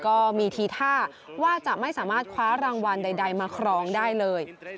ก็มีทีท่าว่าจะไม่สามารถคว้ารางวัลใดมาครองได้เลย